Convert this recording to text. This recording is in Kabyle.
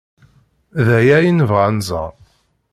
D aya ay nebɣa ad nẓer.